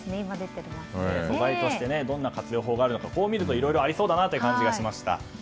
素材としてどんな活用法があるのかこう見るといろいろありそうだなという感じがしました。